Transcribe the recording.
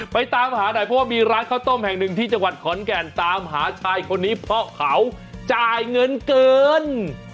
ตามหาหน่อยเพราะว่ามีร้านข้าวต้มแห่งหนึ่งที่จังหวัดขอนแก่นตามหาชายคนนี้เพราะเขาจ่ายเงินเกิน